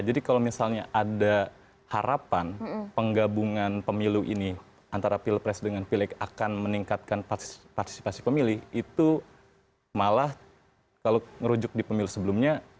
jadi kalau misalnya ada harapan penggabungan pemilu ini antara pilpres dengan pilek akan meningkatkan partisipasi pemilih itu malah kalau ngerujuk di pemilu sebelumnya